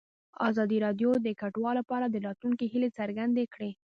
ازادي راډیو د کډوال په اړه د راتلونکي هیلې څرګندې کړې.